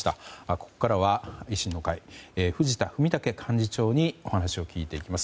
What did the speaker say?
ここからは、維新の会の藤田文武幹事長にお話を聞いていきます。